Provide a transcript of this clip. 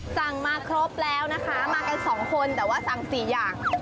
สั่งมาครบแล้วนะคะมากัน๒คนแต่ว่าสั่ง๔อย่าง